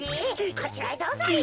こちらへどうぞリン。